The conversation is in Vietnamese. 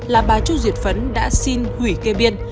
là bà chu duyệt phấn đã xin hủy kê biên